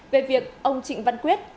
về việc ông trịnh văn quyết